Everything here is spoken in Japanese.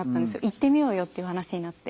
行ってみようよっていう話になって。